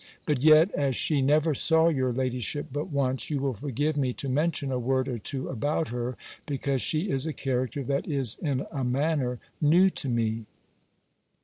But yet, as she never saw your ladyship but once, you will forgive me to mention a word or two about her, because she is a character that is in a manner new to me.